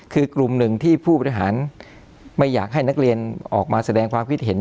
คือกลุ่มหนึ่งที่ผู้บริหารไม่อยากให้นักเรียนออกมาแสดงความคิดเห็น